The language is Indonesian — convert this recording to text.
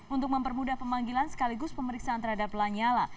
untuk mempermudah pemanggilan sekaligus pemeriksaan terhadap lanyala